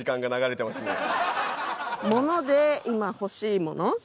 物で今欲しいもの。